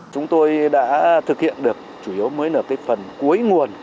chúng tôi đã thực hiện được chủ yếu mới là phần cuối nguồn